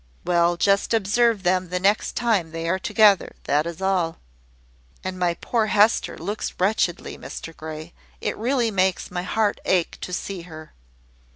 "Well, just observe them the next time they are together; that is all." "And my poor Hester looks wretchedly, Mr Grey. It really makes my heart ache to see her."